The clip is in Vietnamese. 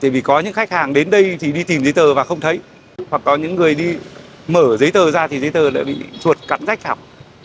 tại vì có những khách hàng đến đây thì đi tìm giấy tờ mà không thấy hoặc có những người đi mở giấy tờ ra thì giấy tờ lại bị thuộc cắn rách học